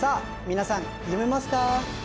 皆さん読めますか？